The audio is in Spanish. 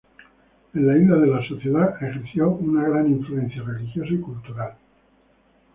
En las islas de la Sociedad ejerció una gran influencia religiosa y cultural.